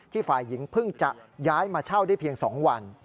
ฝ่ายหญิงเพิ่งจะย้ายมาเช่าได้เพียง๒วัน